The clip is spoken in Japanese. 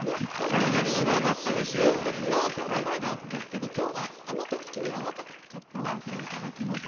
そんな伝説のザ・スパイダースですけどきょうは「あの時君は若かった」をご披露いただきます。